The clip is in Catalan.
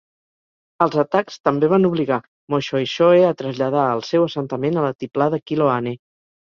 Els atacs també van obligar Moshoeshoe a traslladar el seu assentament a l'altiplà de Qiloane.